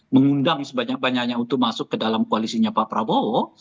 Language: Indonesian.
mengundang sebanyak banyaknya untuk masuk ke dalam koalisinya pak prabowo